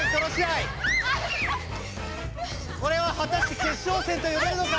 これははたして決勝戦とよべるのか？